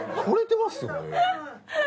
惚れてますよね。